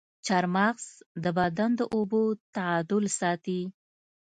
چارمغز د بدن د اوبو تعادل ساتي.